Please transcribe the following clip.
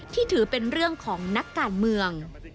ที่ถือเป็นเรื่องของนักการเมือง